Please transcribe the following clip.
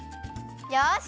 よし！